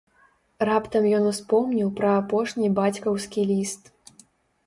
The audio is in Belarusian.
Раптам ён успомніў пра апошні бацькаўскі ліст.